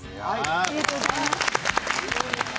ありがとうございます。